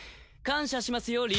感謝しますよ